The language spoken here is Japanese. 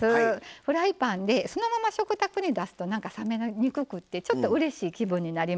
フライパンでそのまま食卓に出すとなんか冷めにくくてちょっとうれしい気分になりますしね